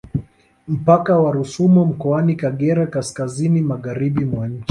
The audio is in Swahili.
Mpaka wa Rusumo mkoani Kagera kaskazini magharibi mwa nchi